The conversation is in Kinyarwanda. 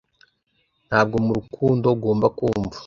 ntabwo murukundo ugomba kumva